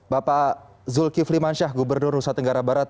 bapak zulkifli mansyah gubernur nusa tenggara barat